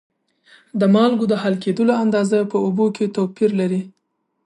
د مالګو د حل کیدلو اندازه په اوبو کې توپیر لري.